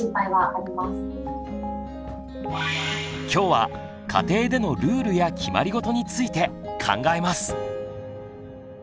今日は家庭でのルールや決まりごとについて考えます。